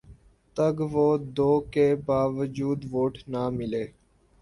تگ و دو کے باوجود ووٹ نہ ملے